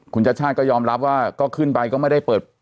คุณชาติชาติก็ยอมรับว่าก็ขึ้นไปก็ไม่ได้เปิด